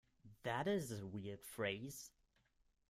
That is a weird phrase.